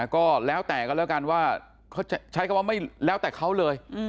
ก็แล้วแต่กันแล้วกันว่าเขาใช้คำว่าไม่แล้วแต่เขาเลย